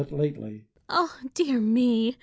Oh, dear me !